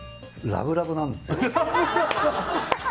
ラブラブなんですよ。